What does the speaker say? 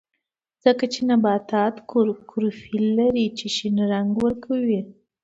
ځکه چې نباتات کلوروفیل لري چې شین رنګ ورکوي